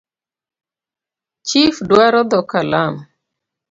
Chif dwaro dho kalam.